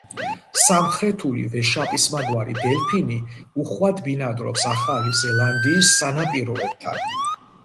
სამხრეთული ვეშაპისმაგვარი დელფინი უხვად ბინადრობს ახალი ზელანდიის სანაპიროებთან.